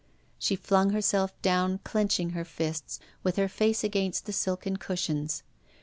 She flung herself down, clenching her fists, with her face against the silken cushions.